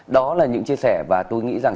đó là những chia sẻ và tôi nghĩ rằng